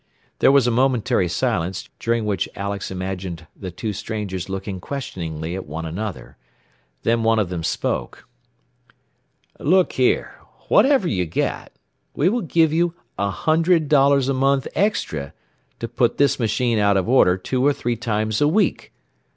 There was a momentary silence, during which Alex imagined the two strangers looking questioningly at one another. Then one of them spoke. "Look here, whatever you get, we will give you a hundred dollars a month extra to put this machine out of order two or three times a week.